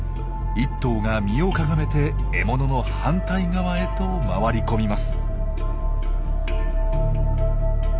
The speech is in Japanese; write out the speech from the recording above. １頭が身をかがめて獲物の反対側へと回り込みます。